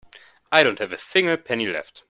I don't have a single penny left.